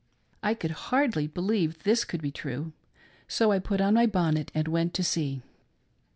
I could hardly believe this could be true, so I put on my bonnet and went to see.